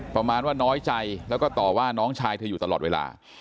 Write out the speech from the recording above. ประมาณว่าน้อยใจแล้วก็ต่อว่าน้องชายเธออยู่ตลอดเวลา